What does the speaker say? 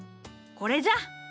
これじゃ。